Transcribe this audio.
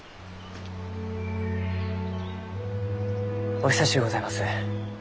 お久しゅうございます。